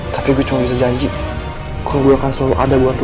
tapi gue cuma bisa janji kalau gue akan selalu ada buat aku